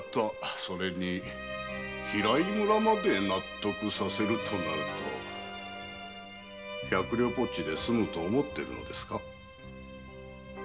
それに平井村まで納得させるとなると百両ぽっちで済むと思ってるんですか？